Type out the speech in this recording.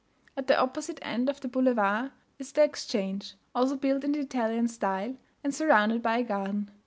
At the opposite end of the boulevard is the Exchange, also built in the Italian style, and surrounded by a garden.